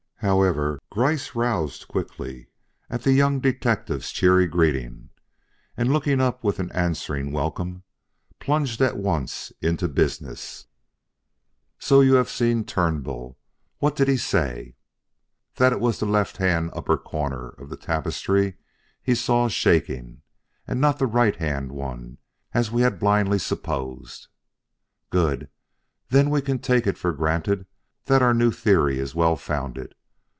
However, Gryce roused quickly at the young detective's cheery greeting, and looking up with an answering welcome, plunged at once into business. "So you have seen Turnbull! What did the man say?" "That it was the left hand upper corner of the tapestry he saw shaking, and not the right hand one as we had blindly supposed." "Good! Then we can take it for granted that our new theory is well founded.